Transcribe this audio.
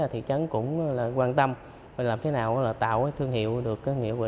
thị trấn cũng quan tâm làm thế nào tạo thương hiệu được